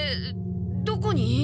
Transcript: どこに？